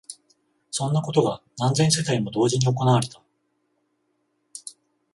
そんなことが何千世帯も同時に行われた